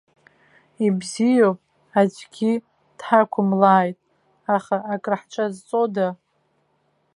Ибзиоуп, аӡәгьы дҳақәымлааит, аха акраҳҿазҵода?